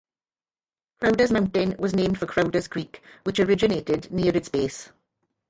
Crowders Mountain was named for Crowders Creek which originated near its base.